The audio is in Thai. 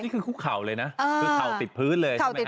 นี่คือคุกเข่าเลยนะคือเข่าติดพื้นเลยใช่ไหมครับ